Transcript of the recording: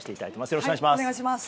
よろしくお願いします。